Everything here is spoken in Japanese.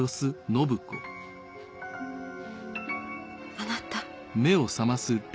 あなた。